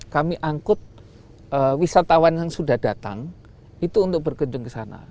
kami angkut wisatawan yang sudah datang itu untuk berkunjung ke sana